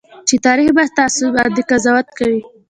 چې تاريخ به تاسو باندې قضاوت کوي.